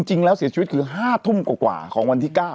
จริงแล้วเสียชีวิตคือ๕ทุ่มกว่าของวันที่๙